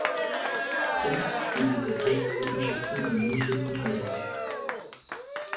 Prinz studierte Rechtswissenschaften in München und Heidelberg.